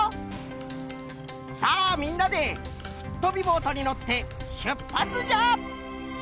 さあみんなで「フットびぼート」にのってしゅっぱつじゃ！